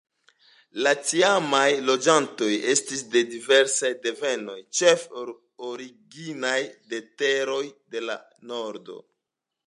La tiamaj loĝantoj estis de diversaj devenoj, ĉefe originaj de teroj de la nordo.